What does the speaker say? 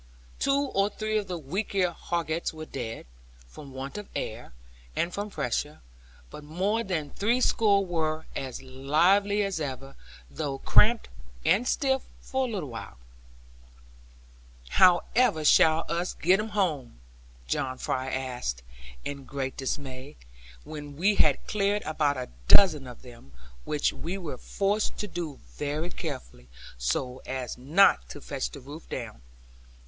Two or three of the weaklier hoggets were dead, from want of air, and from pressure; but more than three score were as lively as ever; though cramped and stiff for a little while. 'However shall us get 'em home?' John Fry asked in great dismay, when we had cleared about a dozen of them; which we were forced to do very carefully, so as not to fetch the roof down.